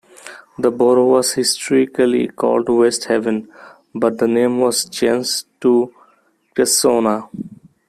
The borough was historically called West Haven, but the name was changed to Cressona.